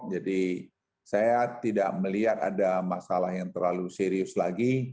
jadi saya tidak melihat ada masalah yang terlalu serius lagi